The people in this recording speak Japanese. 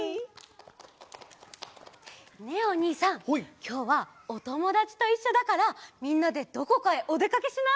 きょうはおともだちといっしょだからみんなでどこかへおでかけしない？